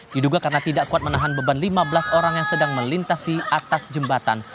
diduga karena tidak kuat menahan beban lima belas orang yang sedang melintas di atas jembatan